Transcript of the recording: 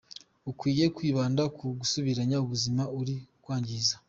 Ukwiye kwibanda ku gusubiranya ubuzima uri kwangiza.”